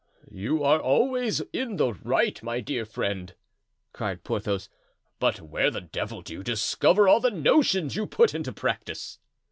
"You are always in the right, my dear friend," cried Porthos; "but where the devil do you discover all the notions you put into practice?"